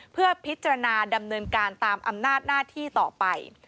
เพื่อพิจารณาดำเนินการตามอำนาจหน้าที่ต่อไป